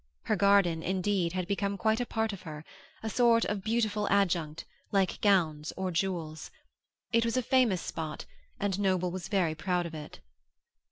Her garden, indeed, had become quite a part of her; a sort of beautiful adjunct, like gowns or jewels. It was a famous spot, and Noble was very proud of it.